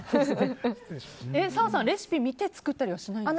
澤さん、レシピを見て作ったりしないですか？